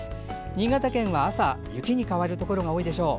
新潟県は、朝には雪に変わるところが多いでしょう。